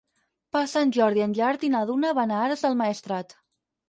Per Sant Jordi en Gerard i na Duna van a Ares del Maestrat.